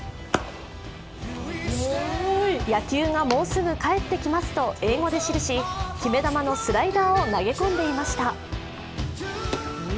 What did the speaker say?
「野球がもうすぐ帰ってきます」と英語で記し、決め球のスライダーを投げ込んでいました。